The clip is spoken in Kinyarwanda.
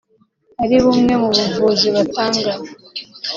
ari bumwe mu buvuzi batanga